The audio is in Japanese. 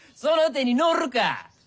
その手に乗るか。